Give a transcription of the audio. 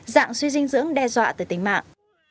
dạng suy dinh dưỡng đe dọa tới tính mạng